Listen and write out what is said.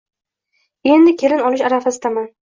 Endi kelin olish arafasidaman